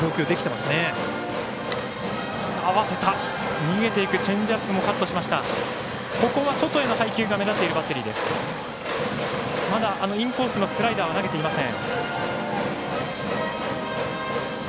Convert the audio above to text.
まだ、インコースのスライダーは投げていません。